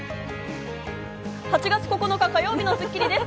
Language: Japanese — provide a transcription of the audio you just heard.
８月９日、火曜日の『スッキリ』です。